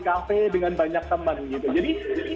cafe dengan banyak teman gitu jadi